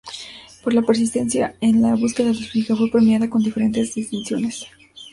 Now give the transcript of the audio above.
Por la persistencia en la búsqueda de su hija fue premiada con diferentes distinciones.